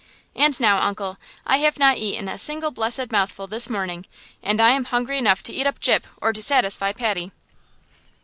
"And now, uncle, I have not eaten a single blessed mouthful this morning, and I am hungry enough to eat up Gyp, or to satisfy Patty."